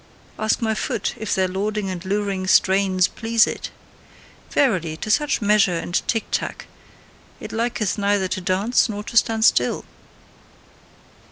Ask my foot if their lauding and luring strains please it! Verily, to such measure and ticktack, it liketh neither to dance nor to stand still.